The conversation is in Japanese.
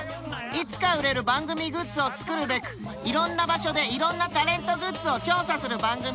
いつか売れる番組グッズを作るべく色んな場所で色んなタレントグッズを調査する番組